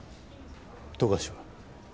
富樫は？